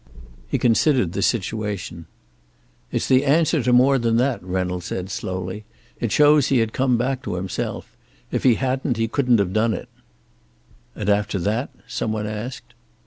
He considered the situation. "It's the answer to more than that," Reynolds said slowly. "It shows he had come back to himself. If he hadn't he couldn't have done it." "And after that?" some one asked.